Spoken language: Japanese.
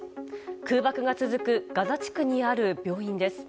空爆が続くガザ地区にある病院です。